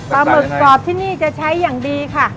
หมึกกรอบที่นี่จะใช้อย่างดีค่ะ